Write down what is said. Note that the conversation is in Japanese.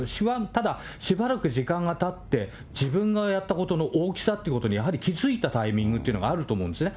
ただ、しばらく時間がたって、自分のやったことの大きさっていうことに、やはり気付いたタイミングというのがあると思うんですね。